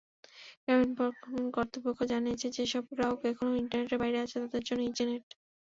গ্রামীণফোন কর্তৃপক্ষ জানিয়েছে, যেসব গ্রাহক এখনো ইন্টারনেটের বাইরে রয়েছেন তাঁদের জন্য ইজি নেট।